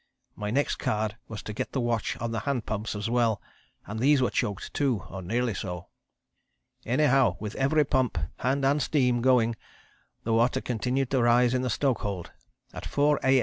My next card was to get the watch on the hand pumps as well, and these were choked, too, or nearly so. "Anyhow with every pump, hand and steam, going, the water continued to rise in the stokehold. At 4 A.